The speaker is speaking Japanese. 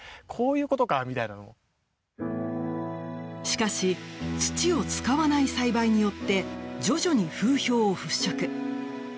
しかし土を使わない栽培によって徐々に風評を払拭。